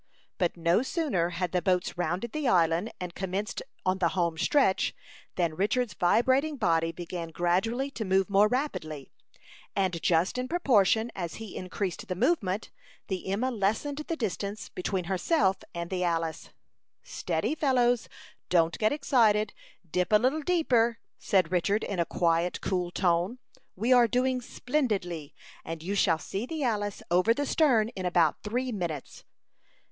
But no sooner had the boats rounded the island, and commenced on the home stretch, than Richard's vibrating body began gradually to move more rapidly, and just in proportion as he increased the movement, the Emma lessened the distance between herself and the Alice. "Steady, fellows; don't get excited. Dip a little deeper," said Richard, in a quiet, cool tone. "We are doing splendidly, and you shall see the Alice over the stern in about three minutes."